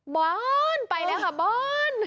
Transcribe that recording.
บอลไปแล้วค่ะบอล